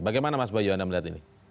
bagaimana mas bayu anda melihat ini